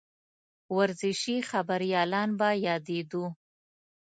ورزشي خبریالان به یادېدوو.